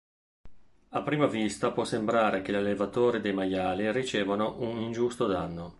A prima vista può sembrare che gli allevatori dei maiali ricevano un ingiusto danno.